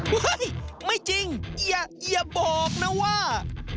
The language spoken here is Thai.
โอ้โฮไม่จริงอย่าอย่าบอกนะว่า